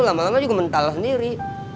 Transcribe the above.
lama lama juga mental sendiri